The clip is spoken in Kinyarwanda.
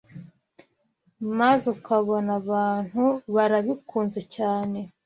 maze ukabona abantu barabikunze cyane